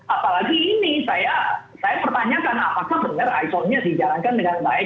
apalagi ini saya pertanyakan apakah benar iso nya dijalankan dengan baik